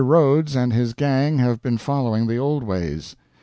Rhodes and his gang have been following the old ways.